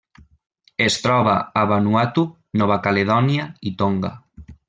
Es troba a Vanuatu, Nova Caledònia i Tonga.